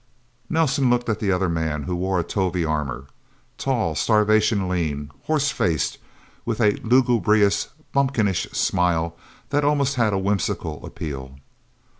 Nelsen looked at the other man, who wore a Tovie armor. Tall, starvation lean. Horse faced, with a lugubrious, bumpkinish smile that almost had a whimsical appeal.